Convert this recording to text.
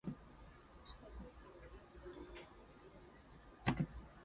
Macroom entered the championship as the defending champions.